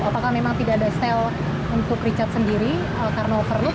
apakah memang tidak ada stel untuk richard sendiri karena overloa